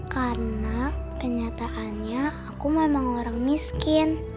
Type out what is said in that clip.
karena kenyataannya aku memang orang miskin